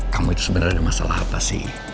kamu itu sebenarnya ada masalah apa sih